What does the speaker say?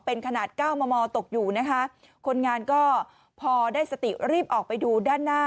เป็นขนาดเก้ามอมอตกอยู่นะคะคนงานก็พอได้สติรีบออกไปดูด้านหน้า